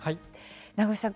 名越さん